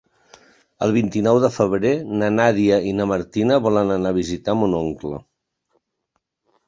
El vint-i-nou de febrer na Nàdia i na Martina volen anar a visitar mon oncle.